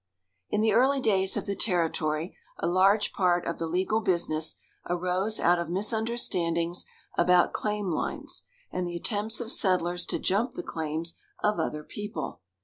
In the early days of the territory a large part of the legal business arose out of misunderstandings about claim lines and the attempts of settlers to jump the claims of other people.